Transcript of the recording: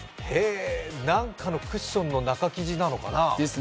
へえ、何かのクッションの中生地なのかな。